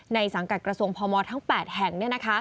สังกัดกระทรวงพมทั้ง๘แห่ง